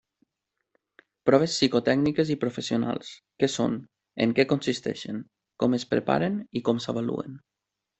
Proves psicotècniques i professionals: què són, en què consisteixen, com es preparen i com s'avaluen.